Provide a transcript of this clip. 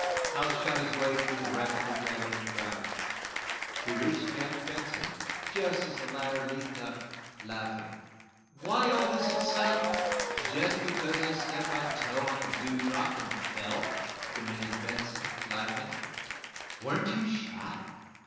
Hal shot his way through the rapidly gathering crowd. He reached Jack Benson just as the latter leaped up, laughing. "Why all this excitement, just because I stubbed my toe against a dew drop and fell?" demanded Benson, laughing. "Weren't you shot?"